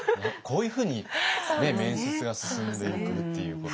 こういうふうに面接が進んでいくっていう。